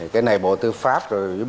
cái này bộ tư pháp